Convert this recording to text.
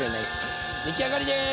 出来上がりです！